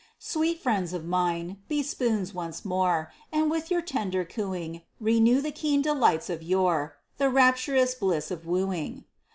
Sweet friends of mine, be spoons once more, And with your tender cooing Renew the keen delights of yore The rapturous bliss of wooing.